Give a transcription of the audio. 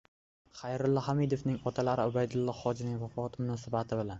Xayrulla Hamidovning otalari Ubaydulloh hojining vafoti munosabati bilan